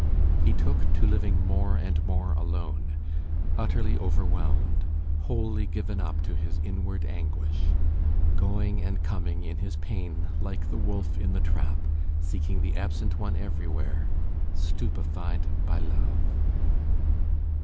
He took to living more and more alone, utterly overwhelmed, wholly given up to his inward anguish, going and coming in his pain like the wolf in the trap, seeking the absent one everywhere, stupefied by love.